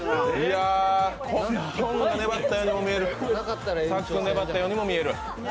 きょんが粘ったようにも見える、さっくん粘ったようにも見える。